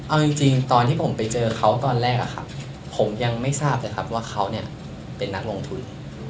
เอาจริงตอนที่ผมไปเจอเขาตอนแรกผมยังไม่ทราบนะครับว่าเขาเป็นนักลงทุน